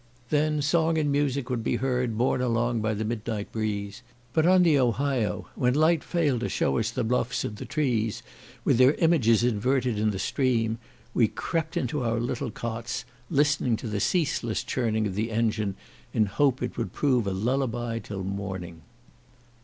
Then song and music would be heard borne along by the midnight breeze; but on the Ohio, when light failed to shew us the bluffs, and the trees, with their images inverted in the stream, we crept into our little cots, listening to the ceaseless churning of the engine, in hope it would prove a lullaby till morning.